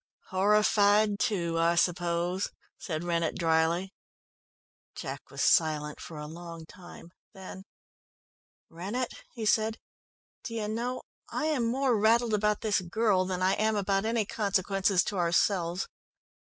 "Horrified, too, I suppose," said Rennett dryly. Jack was silent for a long time. Then: "Rennett," he said, "do you know I am more rattled about this girl than I am about any consequences to ourselves."